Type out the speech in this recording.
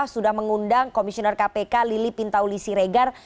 sudah mengundang komisioner kpk lili pintauli siregar